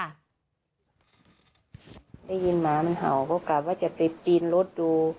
ได้ยินหมามันเห่าก็กลับว่าจะไปปีนรถดู